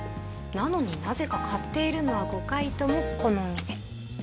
なのになぜか買っているのは５回ともこのお店。